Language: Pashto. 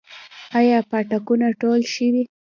آیا پاټکونه ټول شوي؟